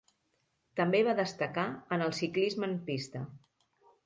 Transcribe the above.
També va destacar en el ciclisme en pista.